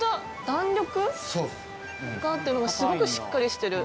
弾力があってすごくしっかりしてる。